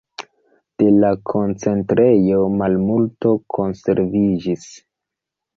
De la koncentrejo malmulto konserviĝis.